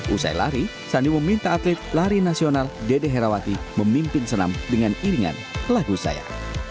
usai lari sandi meminta atlet lari nasional dede herawati memimpin senam dengan iringan lagu saya